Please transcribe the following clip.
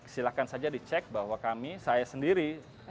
silahkan saja dicek bahwa kami saya sendiri